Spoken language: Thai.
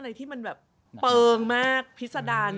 เล่นอะไรที่มันแบบเปิงมากพิจารณ์